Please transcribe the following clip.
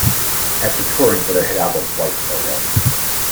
After touring for their hit album, White fell ill.